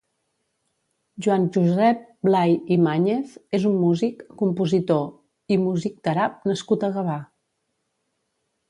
Joan Josep Blay i Màñez és un músic, compositor i musicterap nascut a Gavà.